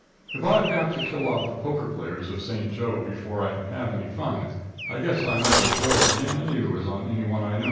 If I've got to kill off the poker players of St. Jo before I can have any fun, I guess I might as well begin on you as on any one I know."